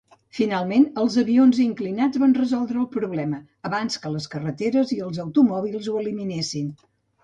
Finalment, els avions inclinats van resoldre el problema, abans que les carreteres i els automòbils ho eliminessin.